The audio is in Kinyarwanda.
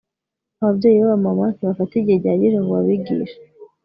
Ababyeyi babamama ntibafata igihe gihagije ngo babigishe